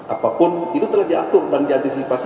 apapun itu telah diatur dan diantisipasi